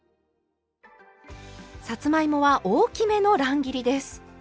さつまいもは大きめの乱切りです。